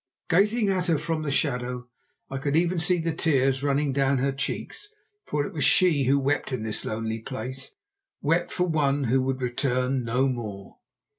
Gazing at her from the shadow, I could even see the tears running down her cheeks, for it was she who wept in this lonely place, wept for one who would return no more.